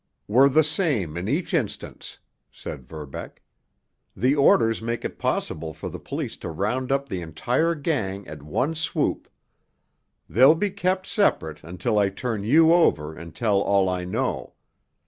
"Were the same in each instance," said Verbeck. "The orders make it possible for the police to round up the entire gang at one swoop. They'll be kept separate until I turn you over and tell all I know.